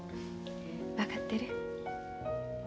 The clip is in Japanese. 分かってる。